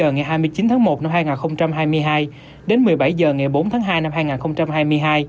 ngày hai mươi chín tháng một năm hai nghìn hai mươi hai đến một mươi bảy h ngày bốn tháng hai năm hai nghìn hai mươi hai